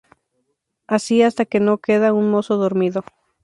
Así hasta que no queda un mozo dormido.